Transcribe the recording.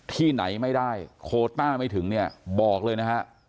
ที่ไหนไม่ได้โคต้าไม่ถึงเนี่ยบอกเลยนะฮะ